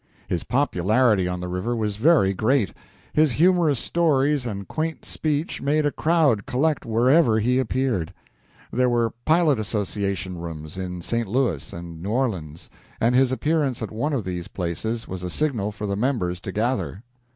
His popularity on the river was very great. His humorous stories and quaint speech made a crowd collect wherever he appeared. There were pilot association rooms in St. Louis and New Orleans, and his appearance at one of these places was a signal for the members to gather.